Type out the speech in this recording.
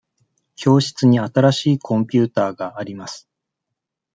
教室に新しいコンピューターがあります。